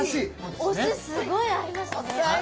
お酢すごい合いますね。